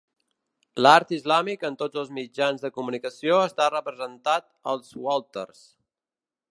L'art islàmic en tots els mitjans de comunicació està representat als Walters.